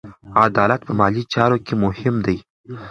عدالت په مالي چارو کې مهم دی.